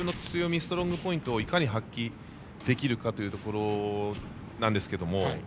ストロングポイントをいかに発揮できるかというところなんですけれども。